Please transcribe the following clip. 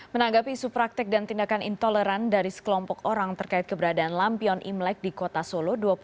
menanggapi isu praktek dan tindakan intoleran dari sekelompok orang terkait keberadaan lampion imlek di kota solo